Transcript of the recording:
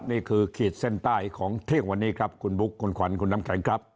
ขีดเส้นใต้ของเที่ยงวันนี้ครับคุณบุ๊คคุณขวัญคุณน้ำแข็งครับ